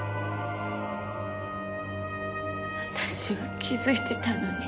私は気づいてたのに。